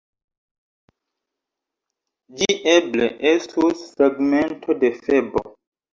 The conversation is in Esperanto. Ĝi eble estus fragmento de Febo.